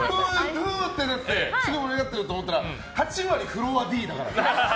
フー！ってすごい盛り上がってると思ったら８割、フロアＤだから。